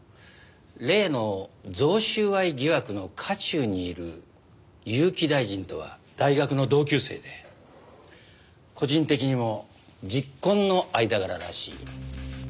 例の贈収賄疑惑の渦中にいる結城大臣とは大学の同級生で個人的にも昵懇の間柄らしいよ。